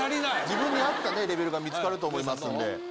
自分に合ったレベルが見つかると思いますので。